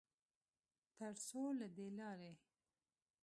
ترڅوله دې لارې